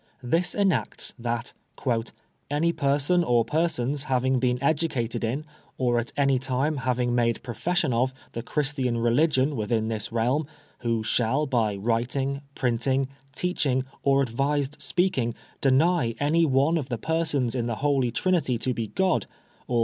*^ This enacts that " any person or persons having been educated in, or at any time having made profession of, the Christian religion within this realm who shall, by writing, printing, teaching, or advised speaking, deny any one of the persons in the Holy Trinity to be God, or.